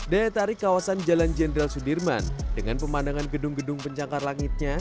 daya tarik kawasan jalan jenderal sudirman dengan pemandangan gedung gedung pencakar langitnya